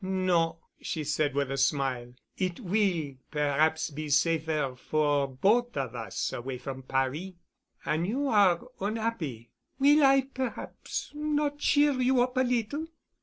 "No," she said with a smile. "It will perhaps be safer for both of us away from Paris. An' you are onhappy. Will I perhaps not cheer you up a little?"